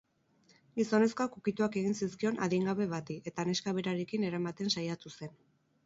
Gizonezkoak ukituak egin zizkion adingabe bati eta neska berarekin eramaten saiatu zen.